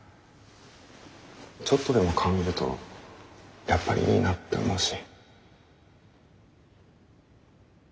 ちょっとでも顔見るとやっぱりいいなって思うし。